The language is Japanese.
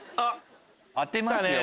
当てますよ